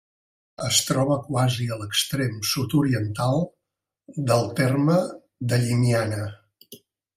Es troba quasi a l'extrem sud-oriental del terme de Llimiana.